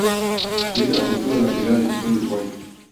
Dirige a Juventud, de la Primera División de Uruguay.